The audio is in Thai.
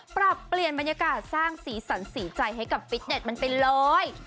ปรับเปลี่ยนบรรยากาศสร้างสีสันสีใจให้กับฟิตเน็ตมันไปเลย